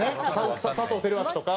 佐藤輝明とか。